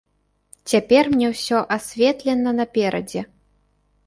Цяпер мне ўсё асветлена наперадзе.